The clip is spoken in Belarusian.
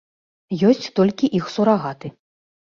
Ёсць толькі іх сурагаты.